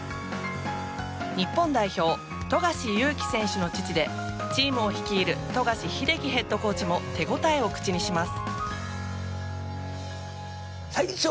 日本代表・富樫勇樹選手の父でチームを率いる富樫英樹ヘッドコーチも手応えを口にします。